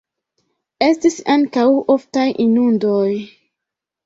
Estis ankaŭ oftaj inundoj.